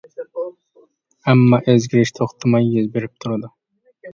ئەمما، ئۆزگىرىش توختىماي يۈز بېرىپ تۇرىدۇ.